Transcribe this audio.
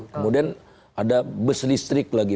kemudian ada bus listrik lagi